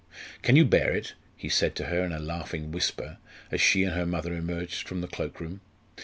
"Can you bear it?" he said to her in a laughing whisper as she and her mother emerged from the cloak room.